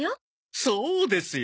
そうですよ！